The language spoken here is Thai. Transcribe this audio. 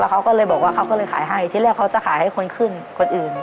เขาก็เลยบอกว่าเขาก็เลยขายให้ที่แรกเขาจะขายให้คนขึ้นคนอื่น